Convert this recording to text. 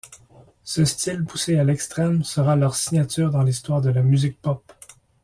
Ce style poussé à l'extrême sera leur signature dans l'histoire de la musique pop.